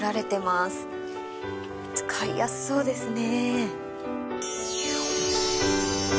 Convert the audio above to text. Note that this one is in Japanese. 使いやすそうですね。